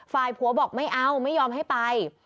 ฝ่ายผัวบอกไม่เอาไม่ยอมให้ไป